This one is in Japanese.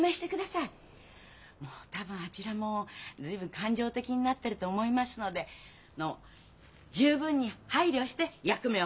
もう多分あちらも随分感情的になってると思いますので十分に配慮して役目を果たしてください。